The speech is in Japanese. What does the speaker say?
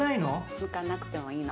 むかなくてもいいの。